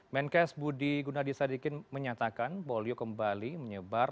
menkes budi gunadisadikin menyatakan polio kembali menyebar